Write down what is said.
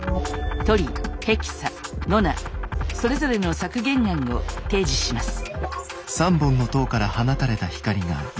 トリヘキサノナそれぞれの削減案を提示します。